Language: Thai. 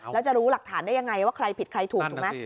แล้วจะรู้หลักฐานได้ยังไงว่าใครผิดใครถูกถูกไหม